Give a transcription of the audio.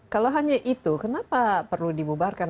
kalau hanya itu kenapa perlu dibubarkan